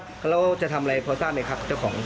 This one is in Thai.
ลื้อเลยครับแล้วจะทำอะไรพอสร้างไหมครับเจ้าของ